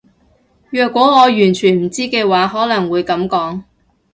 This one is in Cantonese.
若果我完全唔知嘅話可能會噉講